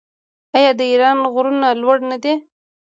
آیا د ایران غرونه لوړ نه دي؟